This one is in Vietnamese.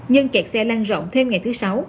nhưng kẹt xe lan rộng thêm ngày thứ sáu